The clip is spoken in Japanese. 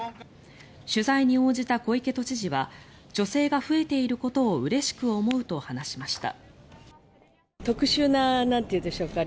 取材に応じた小池都知事は女性が増えていることをうれしく思うと話しました。